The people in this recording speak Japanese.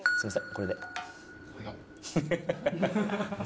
これで。